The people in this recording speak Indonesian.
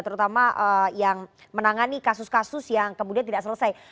terutama yang menangani kasus kasus yang kemudian tidak selesai